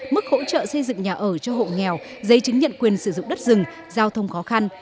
mức hỗ trợ xây dựng nhà ở cho hộ nghèo giấy chứng nhận quyền sử dụng đất rừng giao thông khó khăn